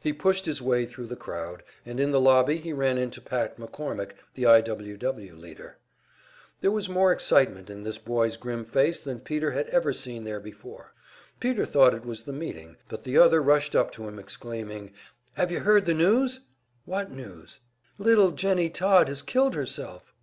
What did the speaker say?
He pushed his way thru the crowd, and in the lobby he ran into Pat McCormick, the I. W. W. leader. There was more excitement in this boy's grim face than Peter had ever seen there before. Peter thought it was the meeting, but the other rushed up to him, exclaiming: "Have you heard the news?" "What news?" "Little Jennie Todd has killed herself!"